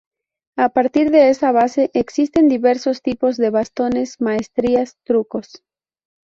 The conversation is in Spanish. A partir de esa base existen diversos tipos de bastones, maestrías trucos.